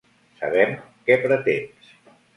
Sabem què pretens.